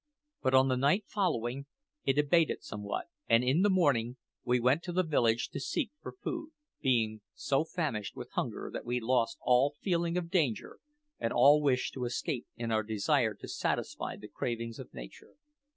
But on the night following, it abated somewhat; and in the morning we went to the village to seek for food, being so famished with hunger that we lost all feeling of danger and all wish to escape in our desire to satisfy the cravings of nature.